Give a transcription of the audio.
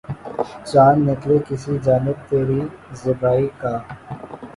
چاند نکلے کسی جانب تری زیبائی کا